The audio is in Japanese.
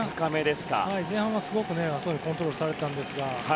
前半はすごくコントロールされていましたが。